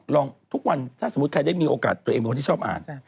ทุกวันถ้าสมมุติใครได้มีโอกาสตัวเองเป็นคนที่ชอบอ่าน